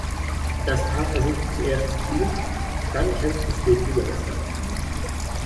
Das Paar versucht zuerst zu fliehen, dann kämpft es gegen die Gangster.